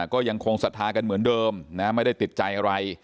ก็ยังคงศรัทธากันเหมือนเดิมนะไม่ได้ติดใจอะไร